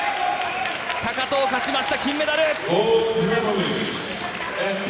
高藤勝ちました、金メダル！